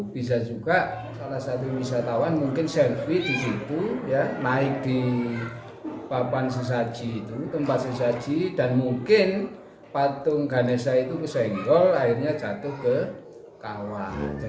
bisa juga salah satu wisatawan mungkin selfie disitu naik di tempat sesaji dan mungkin patung ganesha itu kesenggol akhirnya jatuh ke kawah